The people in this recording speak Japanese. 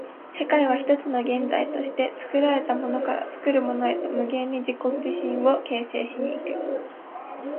世界は一つの現在として、作られたものから作るものへと無限に自己自身を形成し行く。